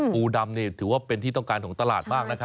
ปูดำนี่ถือว่าเป็นที่ต้องการของตลาดมากนะครับ